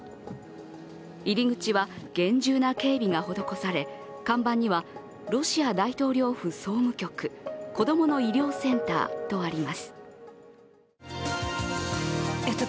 入り口は厳重な警備が施され看板には「ロシア大統領府総務局子どもの医療センター」とあります。